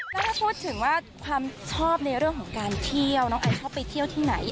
ก็พูดถึงว่าความชอบในเรื่องของการเที่ยวน้องไอชอบไปเที่ยวที่ไหน